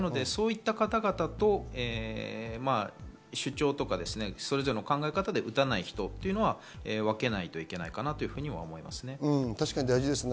そういった方々と、それぞれの考え方で打たない人は分けないといけないかなと思いますね。